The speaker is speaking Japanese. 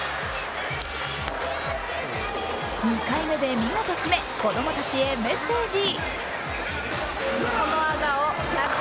２回目で見事決め子供たちにメッセージ。